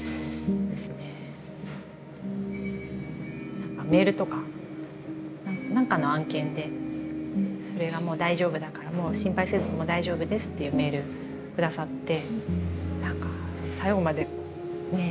何かメールとか何かの案件で「それはもう大丈夫だからもう心配せずにもう大丈夫です」っていうメール下さって何か最後までねえ